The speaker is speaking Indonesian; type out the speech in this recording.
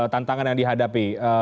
tantangan yang dihadapi